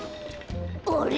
あれ？